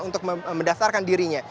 untuk mendaftarkan dirinya